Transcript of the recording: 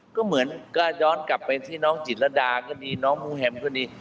ก็เหมือนก็ย้อนกลับไปที่น้องจิตรดาก็ดีน้องมูแฮมก็ดี